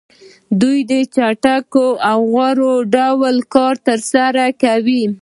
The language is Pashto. دوی په چټک او غوره ډول کار ترسره کوي